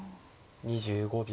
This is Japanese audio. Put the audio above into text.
２５秒。